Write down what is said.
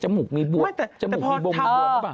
จมูกมีบวมมันบวมนะครับใช่ปะ